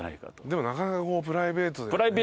でもなかなかプライベートで。